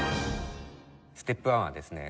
ステップワンはですね